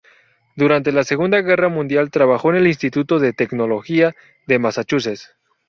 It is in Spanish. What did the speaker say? Durante la Segunda Guerra Mundial trabajó en el Instituto de Tecnología de Massachusetts.